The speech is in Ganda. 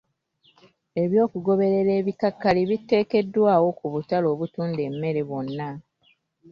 Eby'okugoberera ebikakali, biteekeddwawo ku butale obutunda emmere bwonna.